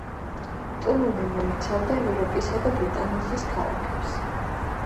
ტურნემ მოიცავდა ევროპისა და ბრიტანეთის ქალაქებს.